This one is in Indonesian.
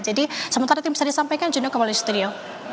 jadi sementara itu bisa disampaikan juno ke polis studio